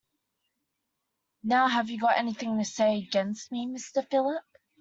Now have you got anything to say against me, Mr Philip.